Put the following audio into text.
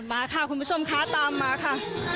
มาค่ะคุณผู้ชมคะตามมาค่ะ